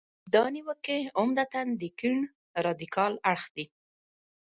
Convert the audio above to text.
دا نیوکې عمدتاً د کیڼ رادیکال اړخ دي.